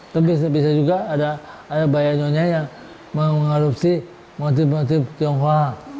tapi saya bisa juga ada bayanya yang mengarupsi motif motif tionghoa